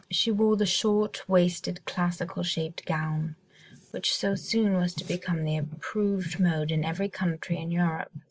She wore the short waisted classical shaped gown, which so soon was to become the approved mode in every country in Europe.